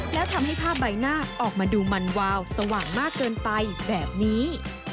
แล้วทำให้ภาพใบหน้าออกมาดูมันวาวสว่างมากเกินไปแบบนี้